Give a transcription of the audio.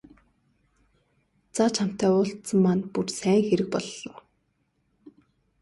За чамтай уулзсан маань бүр сайн хэрэг боллоо.